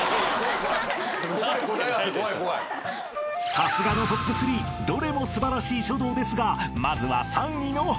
［さすがのトップ３どれも素晴らしい書道ですがまずは］